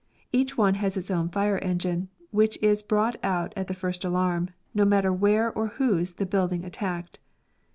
Each one has its own fire engine, which is brought out at the first alarm, no matter where or whose the building attacked.